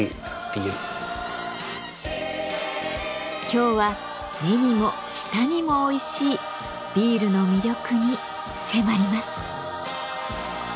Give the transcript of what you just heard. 今日は目にも舌にもおいしいビールの魅力に迫ります。